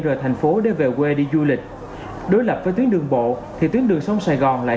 rời thành phố để về quê đi du lịch đối lập với tuyến đường bộ thì tuyến đường sông sài gòn lại